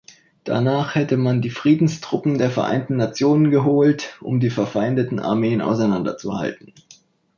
Danach hätte man die Friedenstruppen der Vereinten Nationen geholt, um die verfeindeten Armeen auseinanderzuhalten.